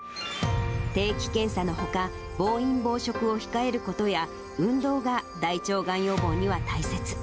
定期検査のほか、暴飲暴食を控えることや、運動が大腸がん予防には大切。